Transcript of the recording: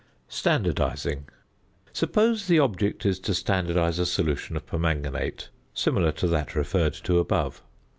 ~Standardising.~ Suppose the object is to standardise a solution of permanganate similar to that referred to above.